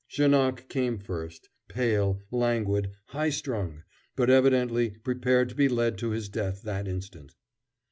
Janoc came first, pale, languid, high strung, but evidently prepared to be led to his death that instant.